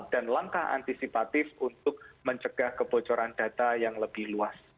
dan langkah antisipatif untuk mencegah kebocoran data yang lebih luas